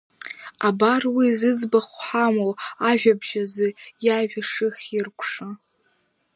Абар уи, зыӡбахә ҳамоу ажәабжь азы иажәа шыхиркәшо…